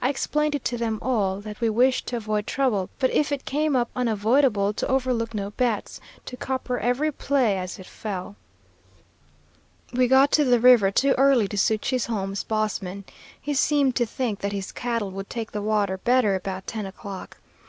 I explained it to them all, that we wished to avoid trouble, but if it came up unavoidable, to overlook no bets to copper every play as it fell. "We got to the river too early to suit Chisholm's boss man. He seemed to think that his cattle would take the water better about ten o'clock.